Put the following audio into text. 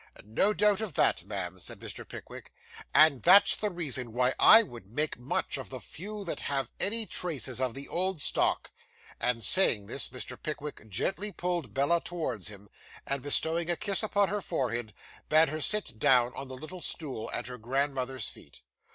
'No doubt of that, ma'am,' said Mr. Pickwick, 'and that's the reason why I would make much of the few that have any traces of the old stock' and saying this, Mr. Pickwick gently pulled Bella towards him, and bestowing a kiss upon her forehead, bade her sit down on the little stool at her grandmother's feet.